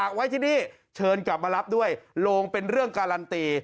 เกินกลับมารับด้วยโลงเป็นเรื่องการันตี